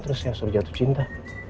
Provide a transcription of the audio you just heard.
terus saya selalu jatuh cinta